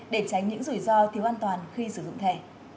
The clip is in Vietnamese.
để tránh những rủi ro thiếu an toàn khi sử dụng thẻ